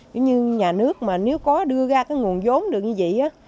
chứ như nhà nước mà nếu có đưa ra cái nguồn vốn được như vậy á